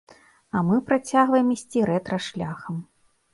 А мы працягваем ісці рэтра-шляхам.